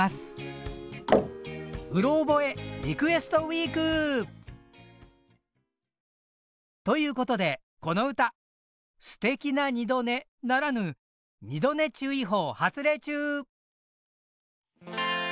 「うろ覚えリクエストＷＥＥＫ」！ということでこの歌「すてきな二度寝」ならぬちゃんと起きろよ！